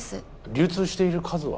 流通している数は？